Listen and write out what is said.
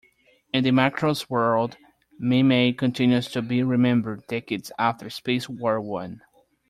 In the "Macross" world, Minmay continues to be remembered decades after Space War I.